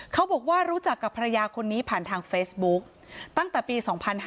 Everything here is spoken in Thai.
เขาบอกว่ารู้จักกับภรรยาคนนี้ผ่านทางเฟซบุ๊กตั้งแต่ปี๒๕๕๙